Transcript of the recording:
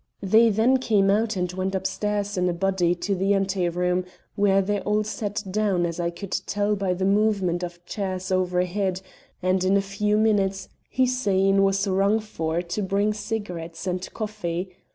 They then came out and went upstairs in a body to the ante room, where they all sat down, as I could tell by the movement of chairs overhead, and in a few minutes Hussein was rung for to bring cigarettes and coffee.